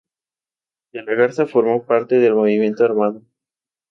De la Garza formó parte del movimiento armado.